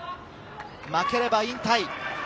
負ければ引退。